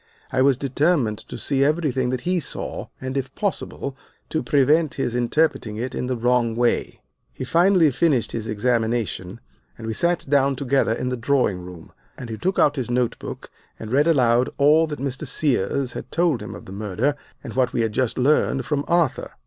I was determined to see everything that he saw, and, if possible, to prevent his interpreting it in the wrong way. He finally finished his examination, and we sat down together in the drawing room, and he took out his notebook and read aloud all that Mr. Sears had told him of the murder and what we had just learned from Arthur.